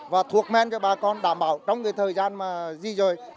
và thuộc men cho bà con đảm bảo trong thời gian di rời